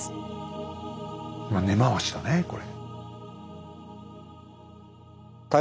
根回しだねこれ。